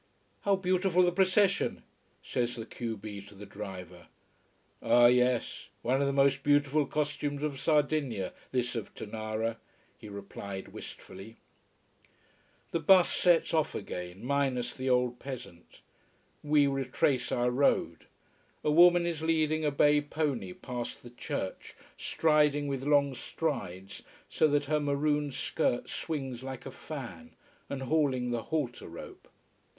"How beautiful the procession!" says the q b to the driver. "Ah yes one of the most beautiful costumes of Sardinia, this of Tonara," he replied wistfully. The bus sets off again minus the old peasant. We retrace our road. A woman is leading a bay pony past the church, striding with long strides, so that her maroon skirt swings like a fan, and hauling the halter rope.